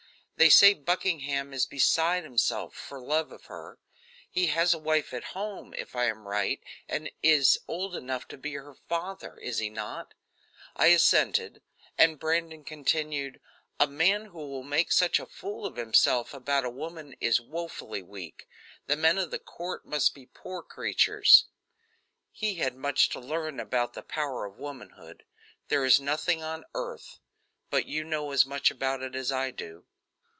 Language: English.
They say Buckingham is beside himself for love of her. He has a wife at home, if I am right, and is old enough to be her father. Is he not?" I assented; and Brandon continued: "A man who will make such a fool of himself about a woman is woefully weak. The men of the court must be poor creatures." He had much to learn about the power of womanhood. There is nothing on earth but you know as much about it as I do.